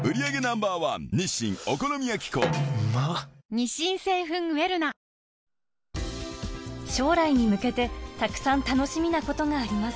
三菱電機将来に向けて、たくさん楽しみなことがあります。